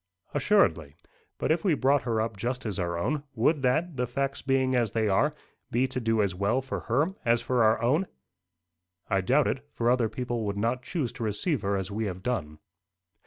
"Assuredly. But if we brought her up just as our own, would that, the facts being as they are, be to do as well for her as for our own?" "I doubt it; for other people would not choose to receive her as we have done."